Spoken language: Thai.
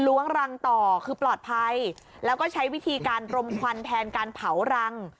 ล้วงรังต่อคือปลอดภัยแล้วก็ใช้วิธีการรมควันแทนการเผารัง